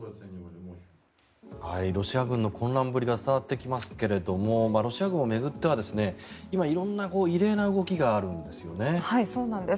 ロシア軍の混乱ぶりが伝わってきますけどもロシア軍を巡っては今、色んな異例な動きがあるんですよね。